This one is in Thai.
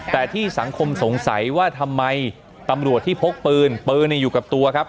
แต่ที่สังคมสงสัยว่าทำไมตำรวจที่พกปืนปืนอยู่กับตัวครับ